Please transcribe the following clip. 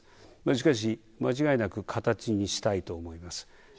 しかし、間違いなく形にしたいと思います。